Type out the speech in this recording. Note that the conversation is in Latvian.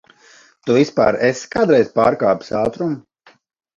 Tu vispār esi kādreiz pārkāpis ātrumu?